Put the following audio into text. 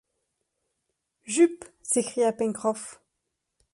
Jup! s’écria Pencroff.